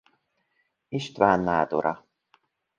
István nádora.